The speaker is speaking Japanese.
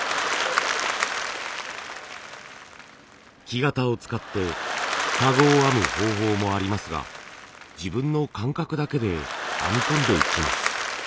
木型を使って籠を編む方法もありますが自分の感覚だけで編み込んでいきます。